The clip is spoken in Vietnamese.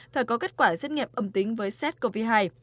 thời có kết quả xét nghiệm âm tính với sars cov hai